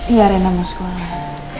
iya rena mau sekolah